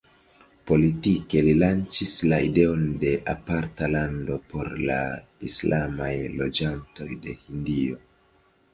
Politike li lanĉis la ideon de aparta lando por la islamaj loĝantoj de Hindio.